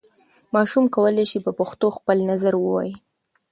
ماشوم کولای سي په پښتو خپل نظر ووايي.